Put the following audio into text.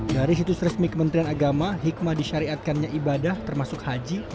dari situs resmi kementerian agama hikmah disyariatkannya ibadah termasuk haji